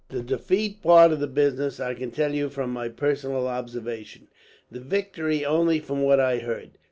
"The defeat part of the business I can tell you from my personal observation, the victory only from what I heard.